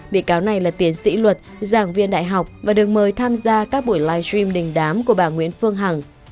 bị cáo này là tiến sĩ luật giảng viên đại học và được mời tham gia các buổi live stream đình đám của bà nguyễn phương hằng